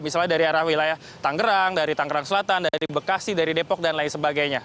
misalnya dari arah wilayah tanggerang dari tangerang selatan dari bekasi dari depok dan lain sebagainya